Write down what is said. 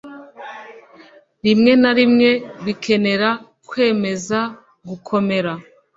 rimwe na rimwe bikenera kwemeza gukomera